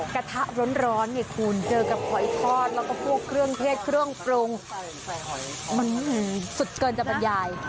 กระทะร้อนเนี่ยคุณเจอกับหอยทอดแล้วก็พวกเครื่องเทศเครื่องปรุงมันสุดเกินจะบรรยาย